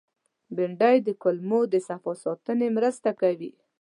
بېنډۍ د کولمو د صفا ساتنې مرسته کوي